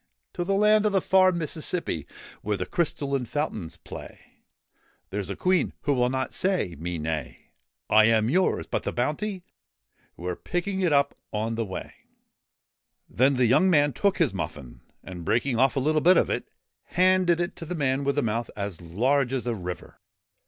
} To the land of the far Mississippi Where the crystalline fountains play ; There 's a Queen who will not say me nay.' ' I am yours ! But the bounty ?'' We 're picking it up on the way.' Then the young man took his muffin, and, breaking off a little bit of it, handed it to the man with the mouth as large as a river.